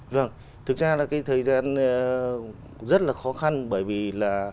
vâng thực ra là cái thời gian rất là khó khăn bởi vì là